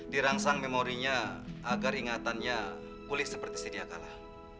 dirangsang memorinya agar ingatannya pulih seperti sedia kalah